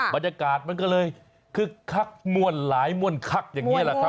บรรยากาศมันก็เลยคึกคักม่วนหลายม่วนคักอย่างนี้แหละครับ